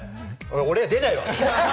俺、出ないわ。